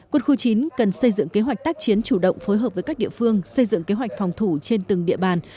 quân khu chín cần xây dựng kế hoạch tác chiến chủ động phối hợp với các địa phương xây dựng kế hoạch phòng thủ trên từng địa bàn